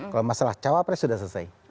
kalau masalah cawapres sudah selesai